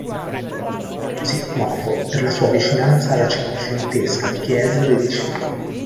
È così chiamato per la sua vicinanza alla cinquecentesca Chiesa dei Disciplini.